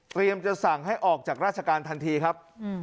จะสั่งให้ออกจากราชการทันทีครับ